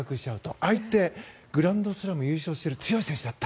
相手、グランドスラム優勝している強い選手だった。